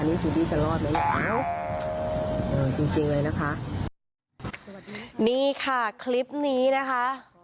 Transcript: วันนี้ทีนี้จะรอดไหมนะคะเออจริงจริงเลยนะคะนี่ค่ะคลิปนี้นะคะ